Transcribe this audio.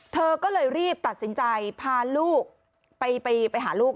เธอก็เลยรีบตัดสินใจพาลูกไปหาลูก